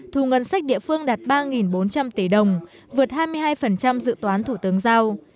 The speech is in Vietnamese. thu ngân sách địa phương đạt ba bốn trăm linh tỷ đồng vượt hai mươi hai dự toán thủ tướng giao